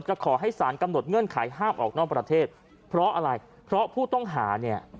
ขอให้สารกำหนดเงื่อนไขห้ามออกนอกประเทศเพราะอะไรเพราะผู้ต้องหาเนี่ย